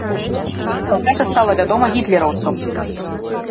Пра гэта стала вядома гітлераўцам.